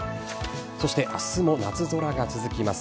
そして明日も夏空が続きます。